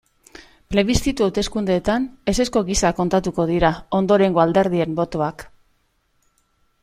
Plebiszitu hauteskundeetan ezezko gisa kontatuko dira ondorengo alderdien botoak.